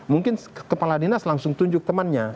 mungkin kepala dinas langsung tunjuk temannya